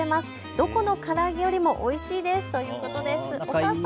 どこのから揚げよりもおいしいですということです。